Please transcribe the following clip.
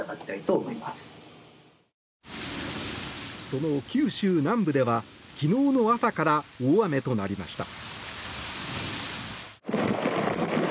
その九州南部では昨日の朝から大雨となりました。